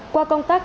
qua công tác